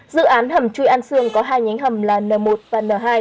dự án hầm chui an sương có hai nhánh hầm là n một và n hai